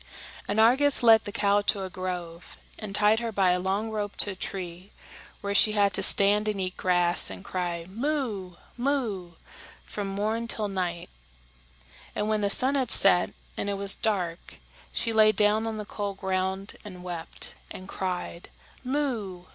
And Argus led the cow to a grove, and tied her by a long rope to a tree, where she had to stand and eat grass, and cry, "Moo! moo!" from morn till night; and when the sun had set, and it was dark, she lay down on the cold ground and wept, and cried, "Moo!